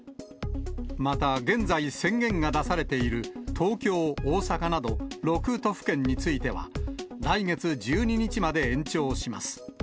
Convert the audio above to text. また、現在、宣言が出されている東京、大阪など６都府県については、来月１２日まで延長します。